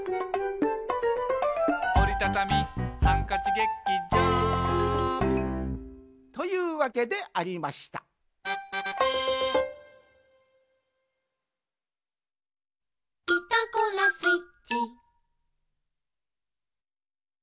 「おりたたみハンカチ劇場」というわけでありましたふたつのみかん。